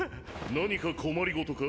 何か困り事か？